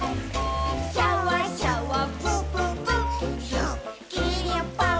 「シャワシャワプププすっきりぽっ」